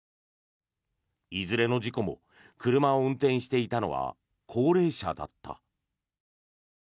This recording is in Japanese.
いずれの事故も車を運転していたのは高齢者だった。